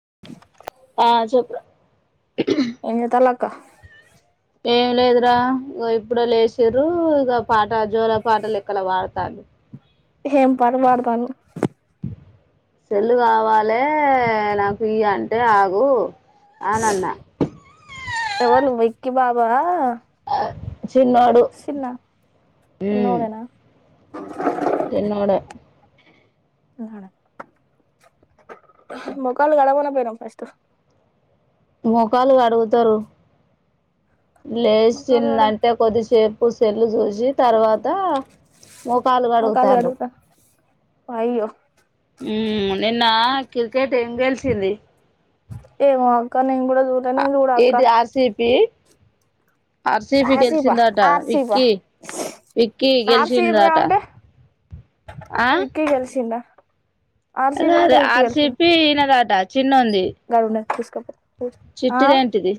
[unintelligible] ఆ చెప్పు ఏ చేత్తన్నావ్ కుక్క [unintelligible] ఏం లేదురా ఇ ఇప్పుడ లేసి్ర ఇక పాట జోర పాటలు ఇక్కడ వాడతారు [unintelligible] సెల్ కావాలి నాకు ఈ, అంటే ఆగు అని అన్నా సవలు విక్కి బాబా చిన్నోడు చిన్న అ [inaudible] చిన్నోడే మోఖా ళ్ల కడగపోనవు ఫస్ట్ మఖా లు క డుగుతరు మొఖాలు కడి లేసిందంటే కొద్దిసేపు సెల్ చూసి తర్వాత అా మొఖాలు కడుగుతారు పైయో ఉమ్ నిన్న క్రికెట్ ఎం టేల్స్ చి ర్రీ ఏమో అక్క నేను కూడా చుత్ ఏది R C B R C B ఆర్సీపా గెలిచందాట ఆర్సీపా విక్కీ, విక్కీ ఆర్సీపీ గెలిచందట అంటే ఆహ్ విక్కీ గెలిచిందా అదే ఆర్సీబీ అంటే అదే విక్కీ ఆర్ సి గెలిచింది బి విన్నర్ అట చిన్నోది తీసుకెళ్తా చిట్టిది ఏంటిది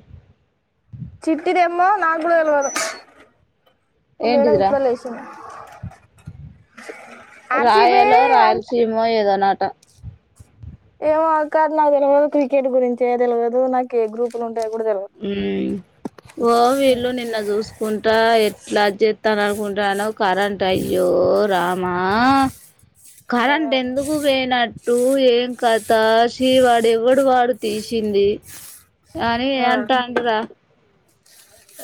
చిట్టిదేమో నాకు కూడా తెల్వదు ఈ మేడం ఏంటిదిరా ఇప్పుడే లేసింది ఆర్సీబీ రాయలో అంటే రాయలసీమ ఏదోనటా [unintelligible] ఏమో అక్క నాకు తెలియదు, క్రికెట్ గురించే తెల్వదు నాకు ఏ గ్రూపులు ఉంట ఉమ్ ఓ వీళ్ళు నిన్న చూసుకుంట ఎట్లా చేస్తాను అనుకుంటున్నానో కరెంట్ అయ్యో రామా, ఆ కరెంట్ ఎందుకు పోయినట్టు ఏం కథ శ్రీవాడు ఎవడు వాడు తీసింది కాని ఆ అ తాండ్ర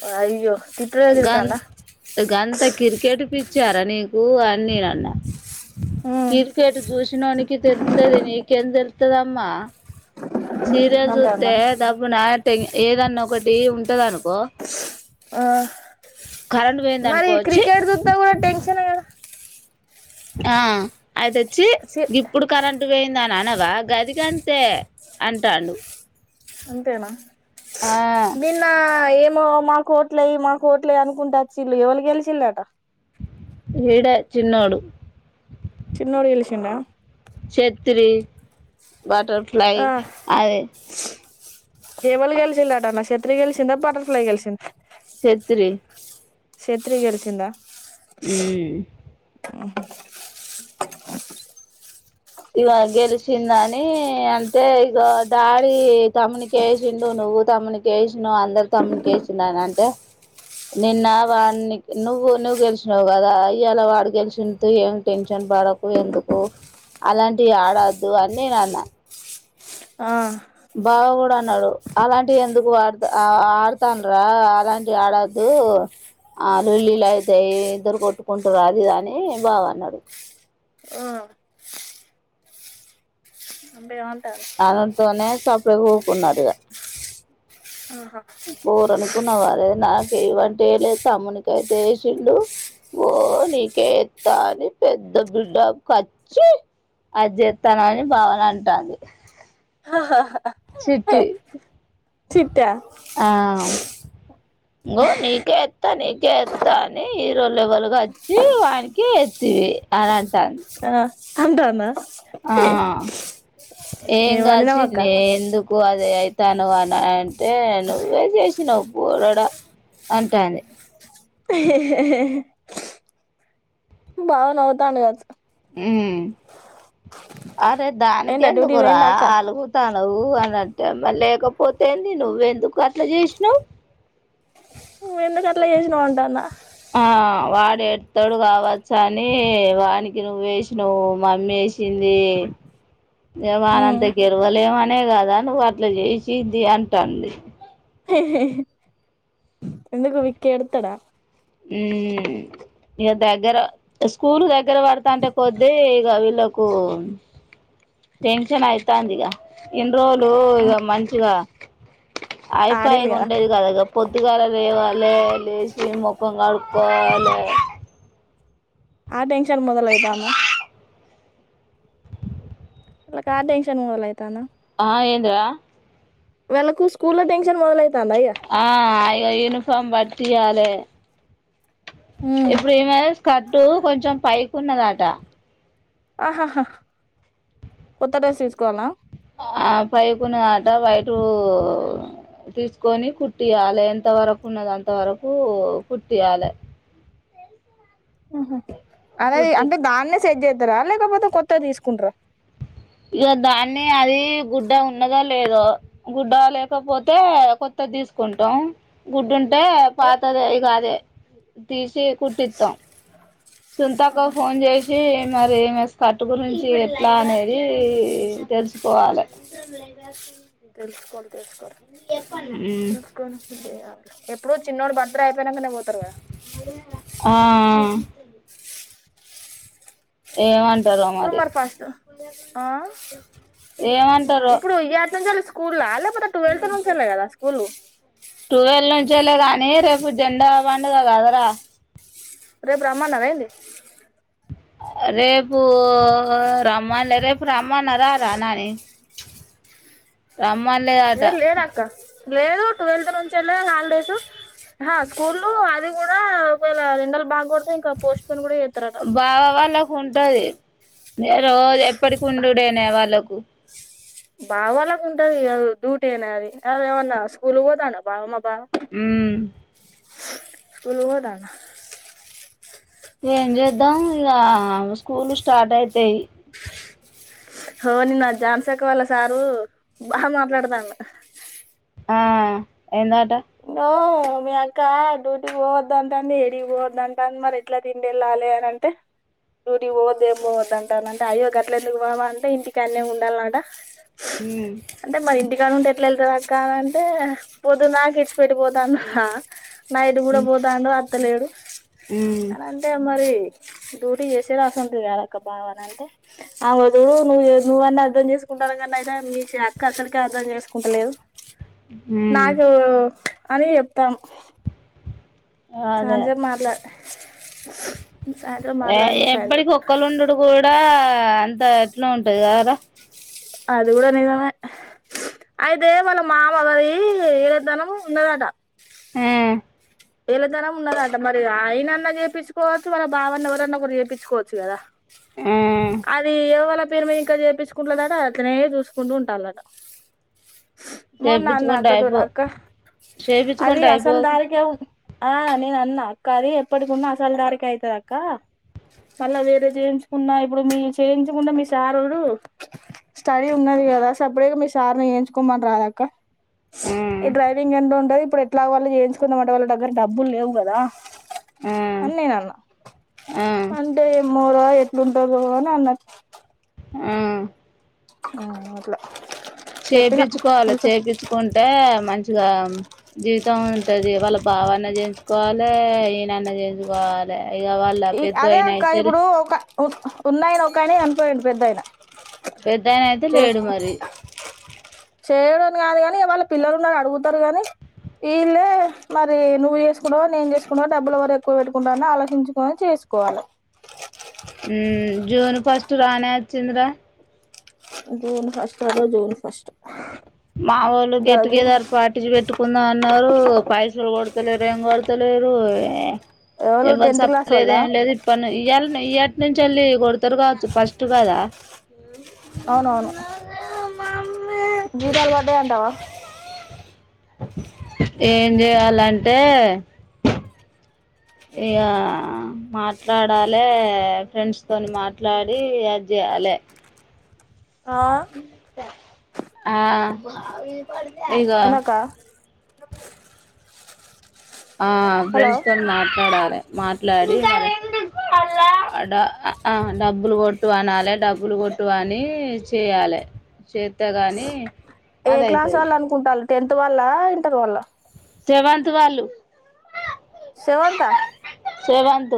వ అయ్యో తిట్టుడే గన్ తిడతాండా గన్ంత క్రికెట్ ప [inaudible] ఇ చ్చారా నీకు, అని నేనన్న ఉమ్ కి ర్ కేట్ చూసిన నోనికితెలుతది నీకేం తెలుతదమ్మా సీరియల్ అంటాండా సూత్తే దబ్బు నా ఏదన్నా ఒకటి ఉంటద అనుకో ఆ మరి పోయిందనుకో ఛీ క్రికెట్ చూస్తే కూడా టెన్షన్ ఏ గా ఆ అయితే చ్చి ఛీ ఇప్పుడు కరెంట్ టు పోయింద అని అనవా గదిగాంతే అంటాండు అంతేనా ఆ నిన్న ఏమో మా కోట్ల్య మా కోట్లయ అనుకుంటా వచిల్లు ఎవరు గెలిచినరట. ఏడ చిన్నోడు చిన్నోడు గెలిచిండా చెత్రీ బటర్ ఫ్లై అ ఎవరు గెలిచిందట అన్న చత్రి గెలిచిందా బటర్ ఫ్లై గెలిచిందా చెత్రి చెత్రి గెలిచిందా మ్మ్ హ ఇక గెలిచిందని అంటే ఇక డాడీ తమ్మునికి వేసిండు. నువ్వు తమ్మునికి వేసిన అందరు తమ్మునికి వేసిండ అని అంటే, నిన్న వాడిని నువ్వు నువ్వు గెలిచినావు కదా ఇ య్యలా వాడు గెలిచిండు తు ఏం టెన్షన్ పడకు. ఎందుకు అలాంటివి ఆడద్దు అని నేను అన్నా. ఆ బావ కూడా అన్నాడు అలాంటివి ఎందుకు ఆడతా ఆడుతున్నారా అలాంటివి ఆడొద్దు. ఆ లొల్లిలైతయి ఇద్దరు కొట్టుకుంటారు. అది ఇది అని బావ అన్నారు. ఆ అంటే ఏమన్ టర్ తనే సప్పుడు కుకున్నారు ఇగ ఆహా పోరనుకున్న వాళ నాక ఏవంటే ఎయ్య లేదు. తమ్ముని కైతే ఏసిండు. ఓ నీకే ఎత్తా అని పెద్ద బిడ్డ కచ్చి అది చేత్తానని బావన అంటాంది. చిట్టి చిట్ట ఆ ఇగో నీకే ఎత్తా నీకేత్తా అని హీరో లెవెల్ గ వచ్చి వానికి ఎత్తివి అని అంటాండు. అంటుందా హ ఏం కాదు శ్రీ ఎందుకు అదే ఆయితు తను అన అంటే నువ్వే చేసినవ్ పోరడ అంటాంది ఇహ్ ఇహ బావ నవ్వుతాండు కావచ్చు ఊ అరే దానికి పోయిండా డ్యూటీకి ఎందుకురా పోయిండా అక్క అలుగుతా నువ్వు అని అంట లేకపోతేంది నువ్వ ఎందుకు అట్లా చేసినావ్ నువ్వెందుకు అట్ల చేసినవ్ అంటుండా ఆ వాడు ఎడతాడు కావచ్చ అని వాడినికి నువ్వు వేసినవ్వు మమ్మీ వేసింది. వాణిఅంత గెలవలేమనే కదా నువ్వు అట్లా చేసింది అంటంది. ఎందుకు విక్కీ ఎడుతడా ఉ ఇగ దగ్గర స్కూల్ దగ్గర పడతాంటే కొద్దీ ఇగ వీళ్ళకూ, టెన్షన్ అయితాంది ఇగా ఇం రోలూ ఇగ మంచిగా హై ఫై ఆడిల్లు గా కదా ఉండేది గదా ఇగ పొద్దుగాలే లేేవాల్ లే లేశీ మొ పోవాలే ఆ టెన్ష న్షన్ మొదలైతాందా వాళ్ళకి ఆ టెన్షన్ మొదలైతాందా ఆ ఏంద్రా వాళ్ళకూ స్కూల్ లో టెన్ష ఆ ఇగ యూనిఫార్మ్ బట్ ట్టియా లే ఇప్పుడు ఏమది స్కర్ట్ టూ కొంచెం పైకున్న దటా ఆహాహా కొత్త డ్రెస్ తీసుకోవాల్నా పైకున్న దట వైటూ తీసుకొని కుట్టీయ్యాలే ఎంత వరకు ఉన్నది అంత వరకూ కుట్టీయ్యాలే. ఆహా అలాది కుట్టి అంటే దాన్నే చెక్ చేతరా లేకపోతే కొత్తది తీసుకుంటరా. ఇగ దాన్నే అదీ గుడ్డ ఉన్నదో లేదో, గుడ్డ లేకపోతే కొత్తది తీసుకుంటం. గుడ్డు ఉం టే పాతదే ఇగా అదే. తీశీ కుట్టితం సుంతక్కకు ఫోన్ చేశీ మరీ కట్టు గురించి ఎట్లా అనేదీ తెలుసుకోవాలె. తెల్సుకోవలి తెల్సకో మ్మ్. తెల్సుకొనికి లేదా ఎప్పుడు చిన్నోడి బర్త్డే అయిపోయినంకనే పోతరు కదా ఆ ఏ వం ఇప్పుడు మరి ఫస్ట్ ఆ ఏమంటారో ఇప్పుడు ఇయ్యాటినించేలి స్క స్కూల్లా లేప్ తే ట్వెల్వెత్ నుంచల్లే కదా స్కూళ్లు టూవెల్ నుంచేల్లే గానీ రేపు జెండా పండుగ కదరా రేపు రామన్నరా ఏంది రేపు రమ్మన్లే రేపు రమ్మన్న రా రా నాని రమ ఏ లే ఏ టక్క లేదు ట్వెల్త్ నుంచళ్ళ హాలిడేస్ స్కూల్ అ అది కూడా ఒకవేళ ఎండలు బాగ కొడతె ఇంకా పోస్ట్ కూడా ఇతారట బావ వాళ్ళకు ఉంటది రోజు ఎప్పటికి ఉండుడనే వాళ్ళకు బావ వాళ్ళకు ఉంటది అ డ్యూటీ అయినా అది అద ఏమన్నా స్కూల్ పోదాం బావ మా మ్ ఉరు పోతన ఏం చేద్దాం ఇక స్కూల్ స్టార్ట్ అయితాయి హ నిన్న జాన్సేఖ వాళ్ళ సారు బాగా మాట్లాడతాండూ ఆ ఎందట సో మీ అక్క డూకి పోవద్దంత అంది ఎడిగి పోవద్దంత అంది మరి ఎట్లా తిండి వెళ్ళాలి అంటే, డ్యూటీకి పోవద్ ఏమి పోవద్దంటాన అంటే అయ్యో గట్ల ఎట్ల ఎందుకు బాబ అంటే ఇంటికి అన్న ఉండాల అంట ఉమ్ అంటే మరి ఇంటికి ం ఎట్ల అక్క అంటే పొదు నా ఇ ఇడిచి పెట్టి పోతాండ్ర కా నైట్ కూద పోతండు అ పత్తనే ఏడు ఉమ్ అనంటే మరి డూటీ చేసేదిసంటంది ఎరక్క బావ అని అంటే, ఆ వధుడు నువ్వు నువ్వన్న అర్థం చేసుకుంటా కనీ అయితే మీ అక్క అక్కడిక అర్థం చేసుకుంటలేదు. ఉమ్ నాగ అని చెప్తాం సాంజా మాట్లా మాట్లాడింది ఎప్పడి సాయంత్రం కుక్కలుండుడు కూడా అంత ఎట్లా ఉంటది కారా అది కూడా నిజమే అయితే వాళ్ళ మామగారి ఏడేతనం ఉన్నదట ఆ వీళదరం ఉన్నదంట మరి ఆయనన్నా చేయిించుకోవచ్చు మన బావన్న ఎవరన్నా కూడా చేయిించుకోవచ్చు కదా ఉమ్ అది ఎవల పేరుమ ఇంకా చేయిుకుంటుదట అతనే చూసుకుంటూ ఉంటాాలట మో నాన్న చేపించుకుంటే అక్క దూర అయిపో అక్క అది చేపించుకుంటే అసలు అయిపోవు దారికి ఆ నేను అన్నా అక్క అది ఎప్పటికిన్నా అసలు దారఖ అవుతుది అక్క మళ్ళా వేరే చేయించుకున్న ఇప్పుడు మీ చేయించుకున్న మీ సార్ స్టడీ ఉన్నది కదా సపరేట్ గా మీ సార్ని చేయించుకోమని రాద అక్క ఉమ్ ఈ డైవింగ్ ఎంతండ ఇప్పు ఎలా వాళ చేయించుందన్నమా వాళు అ డబ్బులు లేవుగాద ఉమ్ అన్ననాన్నా ఉమ్ పంట మోరా ఎట్లుంటాదొ అన్నది ఆ ఆ అట్లా చెప్పిన చేపించుకోవాలి చేపించుకుంటే మంచి మంచిగా జీవితం ఉంటది వాళ్ళ బావన్న చేయించుకోవాలె ఈయనన్న చేయించుకోవాలె ఈ అదే అక్క ఇప్పుడు ఒక ఉన్నాయన ఒకాయనే చనిపోయిండు పెద్దాయినా పెద్దాయన అయితే లేడు మరి చేయడంని కాదు కాని వాళ్ళ పిల్లలు ఉన్నరు అడుగుతారు కానీ వీళ్ళే మరి నువ్వు చేసుకుంటవ నేను చేసుకుంటవా డబ్బులు ఎ వర ఎక్కువ పెట్టుకుంటావ అని ఆలోచించుకని చేసుకోవాలి హ్మ్ జూన్ ఫస్ట్ రానే వచ్చింద్ర జూన్ ఫస్ట్ అదే జూన్ ఫస్ట్ మా వోళ్ళు ఇవాళ జూన్ గెట్టుగెదర్ ఫస్ట్ పార్టీ పెట్టుకుందాం అన్నా ఎవరు పైసలు కొడతలేరు ఏం కొడతలేరు ఏ ఎవలు ఎవ్వని టెన్త్ క్లాస్ చెప్పలేదు వాళ్ళ ఏం లేదు ఇప్ప ఇయ్యాల ఇయ్యాలటి నుంచి వెళ్ళి కొడతారు కావచ్చు ఫస్ట్ కదా అవునవును నీది అలవాటే అంటావా ఏం చేయాలంటే ఇగా మాట్లాడాలే ఫ్రెండ్స్ తోని మాట్లాడి యాది చేయాలి ఆ ఆ ఎనకా ఆ హలో ఫ్రెండ్స్ దం మాట్లాడారే మాట్లాడి డబ్బులు కొట్టు అనాలి డబ్బులు కొట్టు అని చేయాలి చేస్త కాని ఏ క్లాస్ వాళ్ళు అనుకుంటారు టెన్త్ వాల్ళ ఇంటర్ వాల్ల జవంత్ వాళ్ళు శవంత సవతు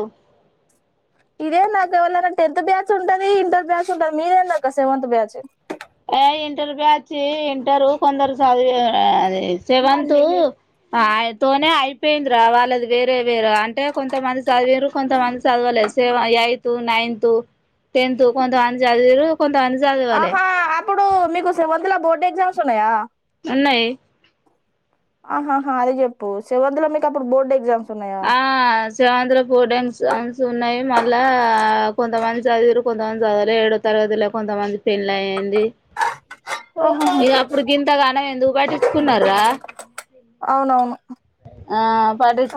ఇదే నాకు ఎవళనా టెన్త్ బ్యాచ్ ఉంటది ఇంటర్ బ్యాచ్ ఉంటది మీరే నాక సెవెంత్ బ్యాచ్ ఇంటర్ బ్యాచ్చి ఇంటరు కొందరు చదివ సెవెన్త్ తనే అయిపోయింది రా వాళ్ళది వేరే వేరే అంటే కొంతమంది చదివరు కొంతమంది చదవలేదు సెవ ఎయిత్ నైన్త్ టెన్త్ కొంతమంది చదివరు కొంతగాని జదు వాల ఇప్పుడు మీకుస కొంతందులా బోర్డ్ ఎగ్జమ్సయా ఉన్నాయి ఆహాహా అదే చెప్పు సెవెంత్ లో మీకు అప్పుడు బోర్డు ఎగ్జామ్ ఆ సవాండ్ర పోడన్స్ ఉన్నాయి మ లా కొంతమంది చదివురు కొంతమంది చదివలే ఏడో తరగతిలో కొంతమంది పెళ్లి అయ్యంది ఓహోహో ఇక అప్పుడు గింతగానం ఎందు పట్టించుకున్నారా అవునవును ఆ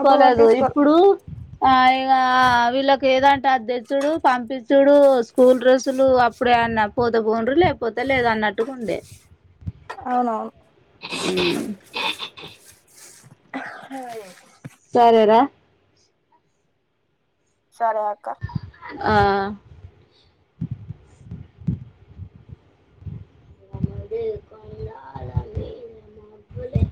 అప్పుడు పట్టించుకోరు ఇప్పుడు ఆ ఇ వీళ్ళకి లేదంటే అది తెచ్చుడు పంపించుడు స్కూల్ డ్రెస్సులు అప్పుడే అన్న పోతే పొండ్రి లేకపోతే లేదన్నట్టుగా ఉండే అవునవును ఉమ్ అ సరేరా సరే అక్క ఆ ఏమండి కొళాల అండి మేము మలే